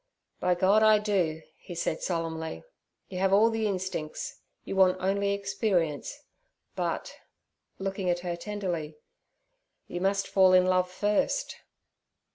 'By God, I do!' he said solemnly. 'You have all the instincts; you want only experience, but'—looking at her tenderly—'you must fall in love first.'